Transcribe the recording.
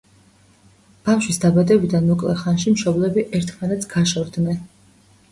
ბავშვის დაბადებიდან მოკლე ხანში მშობლები ერთმანეთს გაშორდნენ.